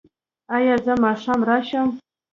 ایا زه ماښام راشم؟